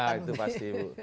nah itu pasti ibu